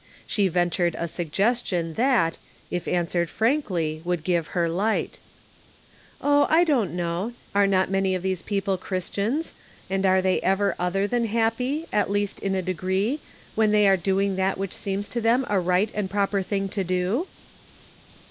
She ventured a suggestion that, if answered frankly, would give her light. " Oh, I don't know. Are not many of these people Christians, and are they ever other than 134 The Pocket Measure, happy, at least in a degree, when they are doing that which seems to them a right and proper thing to do